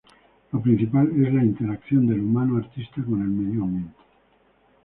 Lo principal es la interacción del humano-artista con el medio ambiente.